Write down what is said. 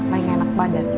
lagi gak enak badan